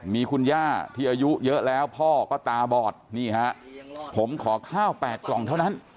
มีคุณย่าที่อายุเยอะแล้วพ่อก็ตาบอดนี่ฮะผมขอข้าว๘กล่องเท่านั้น